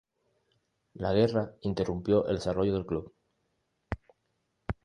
La guerra interrumpió el desarrollo del club.